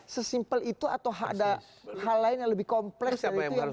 sesimpel itu atau ada hal lain yang lebih kompleks dari itu yang masyarakat